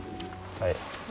はい。